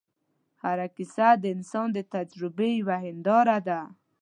هره کیسه د انسان د تجربې یوه هنداره ده.